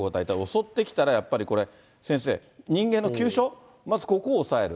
襲ってきたら、やっぱりこれ、先生、人間の急所、まずここを押さえる。